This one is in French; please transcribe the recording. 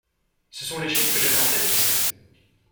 Ce sont les chiffres que j'avais en tête, tu sais.